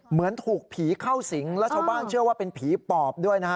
เหมือนถูกผีเข้าสิงแล้วชาวบ้านเชื่อว่าเป็นผีปอบด้วยนะฮะ